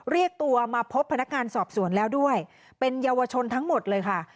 เรียกตัวมาพบพนักงานสอบสวนแล้วด้วยเป็นเยาวชนทั้งหมดเลยค่ะ